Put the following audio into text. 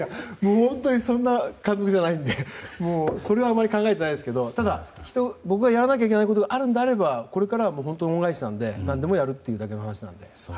本当にそんな監督じゃないので考えてないですがただ、僕がやらなきゃいけないことがあるのであればこれからは本当に言われれば何でもやるっていう話なので。